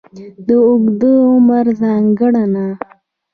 د اوږد عمر ځانګړنه.